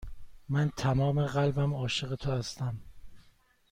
من تمام قلبم عاشق تو هستم.